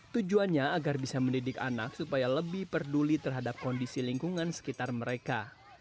tujuannya agar bisa mendidik anak supaya lebih peduli terhadap kondisi lingkungan sekitar mereka